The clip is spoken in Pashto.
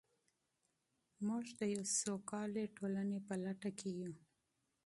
موږ د یوې سوکاله ټولنې په لټه کې یو.